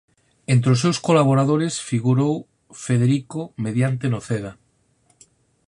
Entre os seus colaboradores figurou Federico Mediante Noceda.